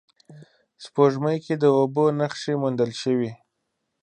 سپوږمۍ کې د اوبو نخښې موندل شوې